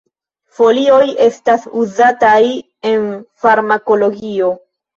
Folioj estas uzataj en farmakologio.